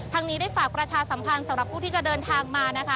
นี้ได้ฝากประชาสัมพันธ์สำหรับผู้ที่จะเดินทางมานะคะ